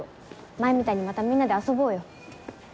前みたいにまたみんなで遊ぼうよ。